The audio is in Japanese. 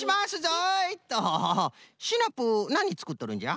シナプーなにつくっとるんじゃ？